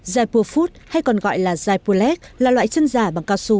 jaipur food hay còn gọi là jaipur leg là loại chân giả bằng cao su